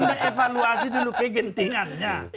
anda evaluasi dulu kegentingannya